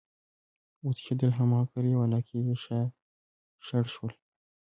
وتښتيدل!! هماغه کلي او علاقي ئی شاړ شول،